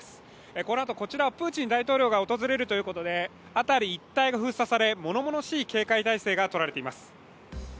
このあとこちらプーチン大統領が訪れるということで辺り一帯が封鎖されものものしい警戒態勢がとられています。